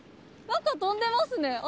なんか飛んでますね。